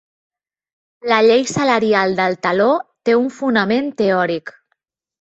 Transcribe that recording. La llei salarial del teló té un fonament teòric.